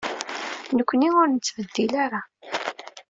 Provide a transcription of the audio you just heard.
Nekkni ur nettbeddil ara.